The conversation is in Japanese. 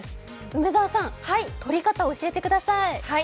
梅澤さん、撮り方教えてください。